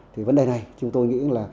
thì vấn đề này chúng tôi nghĩ là